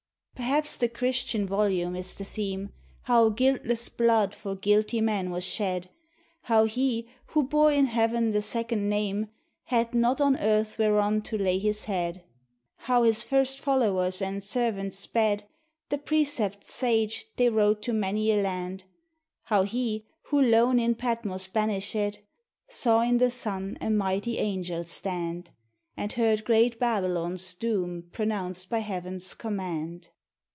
Perhaps the Christian volume is the theme, — How guiltless blood for guilty man was shed; How He, who bore in heaven the second name, Had not on earth whereon to lay his head: How his first followers and servants sped; The precepts sage they wrote to many a land; How he, who lone in Patmos banished, Saw in the sun a mighty angel stand. And heard great Bab'lou's doom pronounced by Heaven's command.